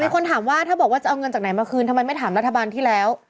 คนถามว่าถ้าบอกว่าจะเอาเงินจากไหนมาคืนทำไมไม่ถามรัฐบาลที่แล้ว